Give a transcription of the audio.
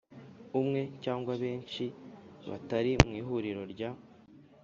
umwe cyangwa benshi batari mu Ihuriro ry